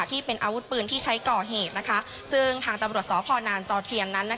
ที่เป็นอาวุธปืนที่ใช้ก่อเหตุซึ่งทางตำรวจสพนานจอเทียนนั้น